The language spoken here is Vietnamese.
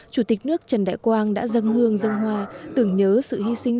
chủ tịch nước trần đại quang đã dâng hương dâng hoa tưởng nhớ sự hy sinh